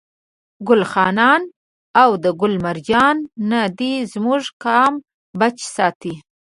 ګل خانانو او ده ګل مرجانو نه دي زموږ قام بچ ساتي.